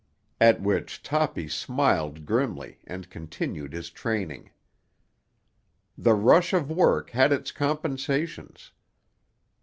At which Toppy smiled grimly and continued his training. The rush of work had its compensations.